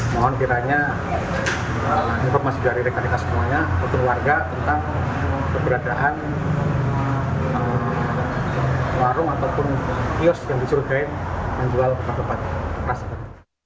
mohon kiranya informasi dari rekan rekan semuanya atau warga tentang keberadaan warung ataupun kios yang dicurigai menjual tempat tempat tersebut